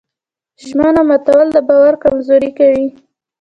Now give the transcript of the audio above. ژمنه ماتول د باور کمزوري کوي.